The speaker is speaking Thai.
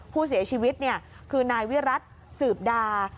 ผู้เสียชีวิตคือนายวิรัติสืบดา